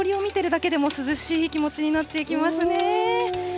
なんか、氷を見ているだけでも涼しい気持ちになっていきますね。